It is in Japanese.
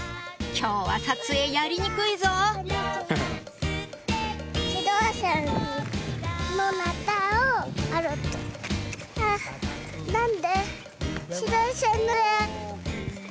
今日は撮影やりにくいぞなんで？